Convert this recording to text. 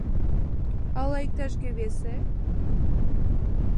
Ала иктаж-кӧ весе?